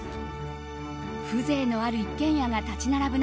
風情のある一軒家が立ち並ぶ